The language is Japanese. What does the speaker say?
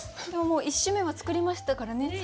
今日もう一首目は作りましたからね。